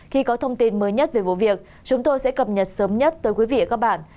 khi có thông tin mới nhất về vụ việc chúng tôi sẽ cập nhật sớm nhất tới quý vị và các bạn